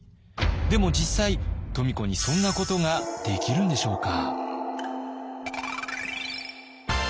でも実際富子にそんなことができるんでしょうか？